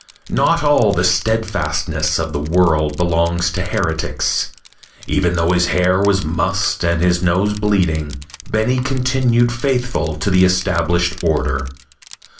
Not all the steadfastness of the world belongs to heretics. Even though his hair was mussed and his nose bleeding, Benny continued faithful to the established order.